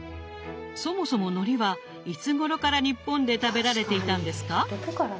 そもそものりはいつごろから日本で食べられていたんですか？